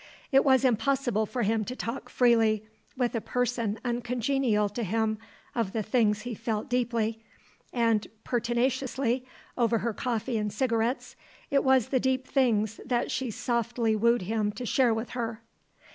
It was impossible for him to talk freely with a person uncongenial to him of the things he felt deeply; and, pertinaciously, over her coffee and cigarettes, it was the deep things that she softly wooed him to share with her.